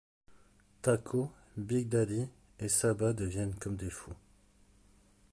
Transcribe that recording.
Tako, Big Daddy et Saba deviennent comme des fous.